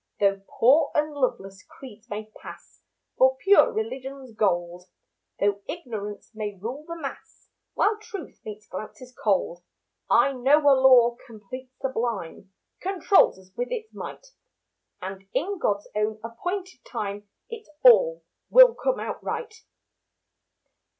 Though poor and loveless creeds may pass For pure religion's gold; Though ignorance may rule the mass While truth meets glances cold, I know a law complete, sublime, Controls us with its might, And in God's own appointed time It all will come out right.